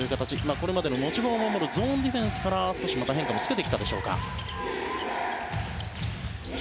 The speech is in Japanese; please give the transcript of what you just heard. これまでの持ち場を守るゾーンディフェンスから少し、また変化もつけてきたでしょうか。